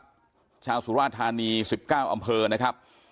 แสดงครับชาวสุราชธานีสิบเก้าอำเภอนะครับ